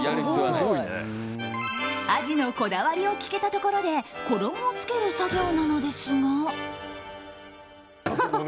アジのこだわりを聞けたところで衣をつける作業なのですが。